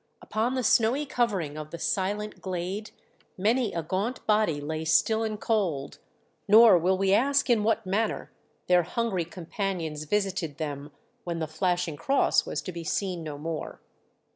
Upon the snowy covering of the silent glade many a gaunt body lay still and cold, nor will we ask in what manner their hungry companions visited them when the flashing cross was to be seen no more.